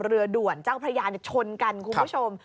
เรือด่วนเจ้าพระยาชนกันคุณผู้ชม